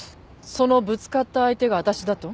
そのぶつかった相手が私だと？